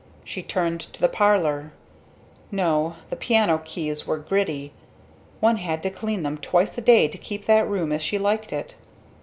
She turned to the parlor no, the piano keys were gritty, one had to clean them twice a day to keep that room as she liked it.